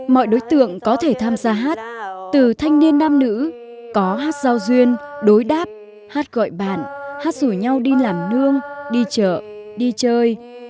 mọi đối tượng có thể tham gia hát từ thanh niên nam nữ có hát giao duyên đối đáp hát gọi bạn hát rủ nhau đi làm nương đi chợ đi chơi